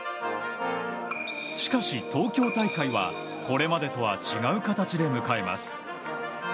しかし、東京大会はこれまでとは違う形で迎えます。